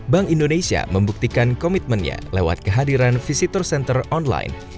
bank indonesia membuktikan komitmennya lewat kehadiran visitor center online